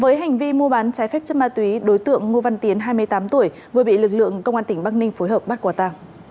với hành vi mua bán trái phép chất ma túy đối tượng ngô văn tiến hai mươi tám tuổi vừa bị lực lượng công an tỉnh bắc ninh phối hợp bắt quả tàng